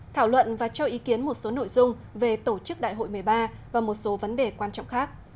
thảo luận và cho ý kiến một số nội dung về tổ chức đại hội một mươi ba và một số vấn đề quan trọng khác